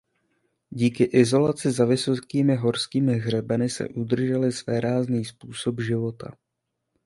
Díky izolaci za vysokými horskými hřebeny si udrželi svérázný způsob života.